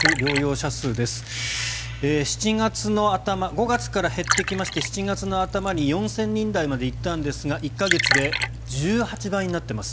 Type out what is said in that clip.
５月から減ってきまして７月の頭に４０００人台まで行ったんですが１か月で１８倍になっています。